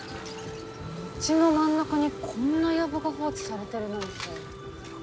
街の真ん中にこんなやぶが放置されてるなんて。